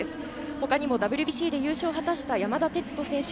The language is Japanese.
他にもＷＢＣで優勝を果たした山田哲人選手